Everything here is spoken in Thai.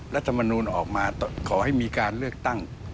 รัฐมนูลออกมาขอให้มีการเลือกตั้ง